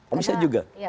oh bisa juga